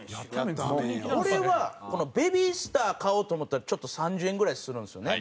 これはこのベビースター買おうと思ったらちょっと３０円ぐらいするんですよね。